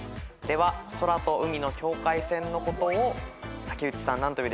では空と海の境界線のことを竹内さん何と言うでしょう？